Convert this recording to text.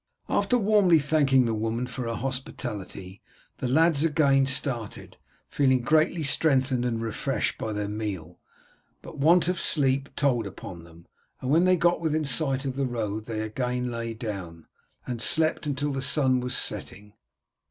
After warmly thanking the woman for her hospitality the lads again started, feeling greatly strengthened and refreshed by their meal; but want of sleep told upon them, and when they got within sight of the road they again lay down, and slept until the sun was setting.